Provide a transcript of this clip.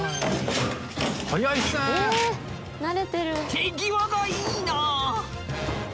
手際がいいな！